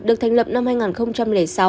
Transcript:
được thành lập năm hai nghìn sáu